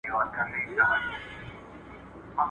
o بنده و تړل بارونه، خداى کوله خپل کارونه.